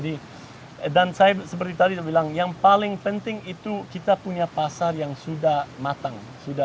dan saya seperti tadi bilang yang paling penting itu kita punya pasar yang sudah matang